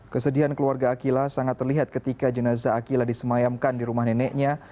kesedihan keluarga akilah sangat terlihat ketika jenazah akilah disemayamkan di rumah neneknya